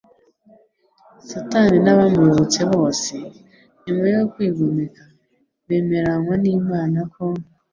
Satani n'abamuyobotse bose, nyuma yo kwigomeka, bemeranywa n'Imana ko,